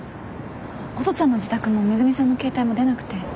音ちゃんの自宅も恵美さんの携帯も出なくて。